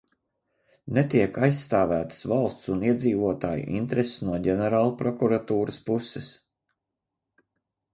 Netiek aizstāvētas valsts un iedzīvotāju intereses no Ģenerālprokuratūras puses.